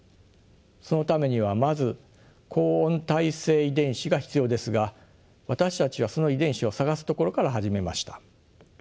そのためにはまず高温耐性遺伝子が必要ですが私たちはその遺伝子を探すところから始めました。